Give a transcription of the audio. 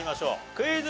クイズ。